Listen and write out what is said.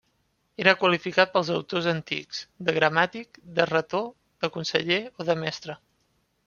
Era qualificat pels autors antics, de gramàtic, de retor, de conseller o de mestre.